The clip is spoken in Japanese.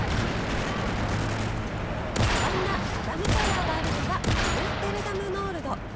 そんなアダムタワーがあるのはアムステルダムノールド。